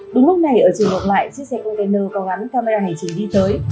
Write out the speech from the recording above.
đúng lúc này ở trường hợp lại chiếc xe container cầu gắn camera hành trình đi tới